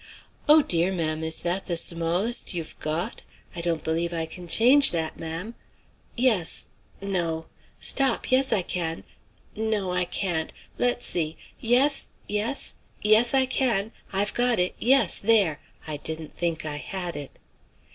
Oh, dear! ma'am, is that the smallest you've got? I don't believe I can change that, ma'am. Yes no stop! yes, I can! no, I can't! let's see! yes, yes, yes, I can; I've got it; yes, there! I didn't think I had it."